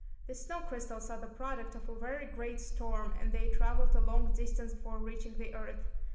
These snow crystals are the product of a very great storm, and they travelled a long distance before reaching the earth.